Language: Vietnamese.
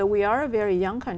hành vi sống tốt